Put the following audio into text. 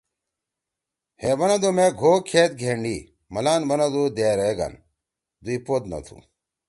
ہئے بنَدُو مے گھو کھید گھینڈی؟ ملان بنَدُو دیرے گھن! دُوئی پود نہ تُھو۔